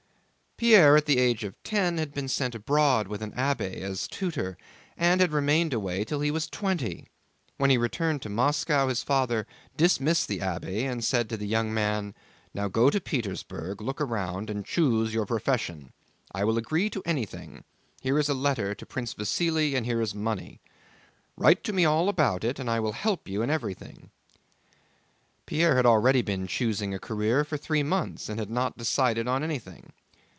Pierre at the age of ten had been sent abroad with an abbé as tutor, and had remained away till he was twenty. When he returned to Moscow his father dismissed the abbé and said to the young man, "Now go to Petersburg, look round, and choose your profession. I will agree to anything. Here is a letter to Prince Vasíli, and here is money. Write to me all about it, and I will help you in everything." Pierre had already been choosing a career for three months, and had not decided on anything.